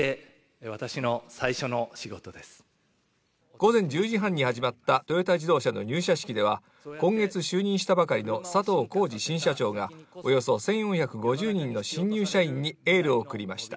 午前１０時半に始まったトヨタ自動車の入社式では、今月就任したばかりの佐藤恒治新社長がおよそ１４５０人の新入社員にエールを送りました